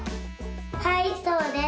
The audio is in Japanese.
はいそうです。